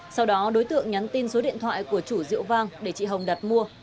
sau đó đối tượng nhắn tin số điện thoại của chủ rượu vang để chị hồng đặt mua